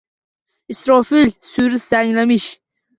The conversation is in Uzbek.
Isrofil suri zanglamish